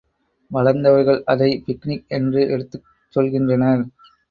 வளர்ந்தவர்கள் அதை பிக்னிக் என்று எடுத்துச் சொல்கின்றனர்.